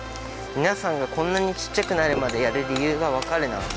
皆さんがこんなにちっちゃくなるまでやる理由が分かるな。